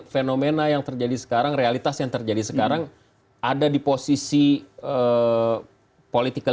fenomena yang terjadi sekarang realitas yang terjadi sekarang ada di posisi political